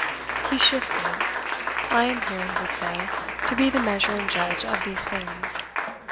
He sifts it. I am here, he would say, to be the measure and judge of these things.